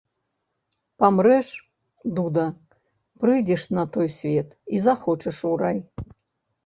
Памрэш, дуда, прыйдзеш на той свет і захочаш у рай.